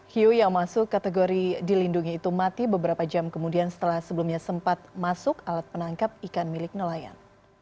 hiu yang masuk kategori dilindungi itu mati beberapa jam kemudian setelah sebelumnya sempat masuk alat penangkap ikan milik nelayan